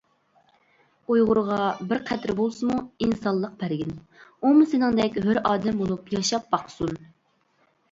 ئۇيغۇرغا بىر قەترە بولسىمۇ ئىنسانلىق بەرگىن، ئۇمۇ سېنىڭدەك ھۆر ئادەم بولۇپ ياشاپ باقسۇن!